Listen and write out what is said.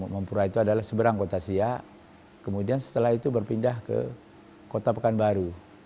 mempura itu adalah seberang kota siak kemudian setelah itu berpindah ke kota pekanbaru